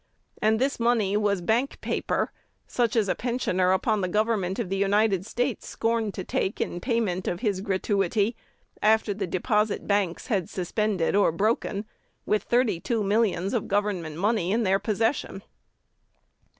And this money was bank paper, such as a pensioner upon the Government of the United States scorned to take in payment of his gratuity, after the deposit banks had suspended or broken, with thirty two millions of Government money in their possession.